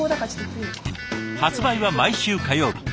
発売は毎週火曜日。